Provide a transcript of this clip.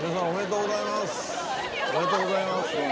おめでとうございます。